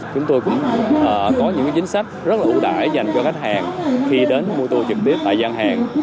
chúng tôi cũng có những chính sách rất ưu đại dành cho khách hàng khi đến mua tour trực tiếp tại gian hàng